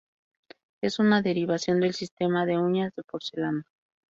Es una derivación del sistema de uñas de porcelana.